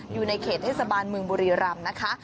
อยู่ในเขตเฮศบาลเมืองบริรัมณ์นะคะ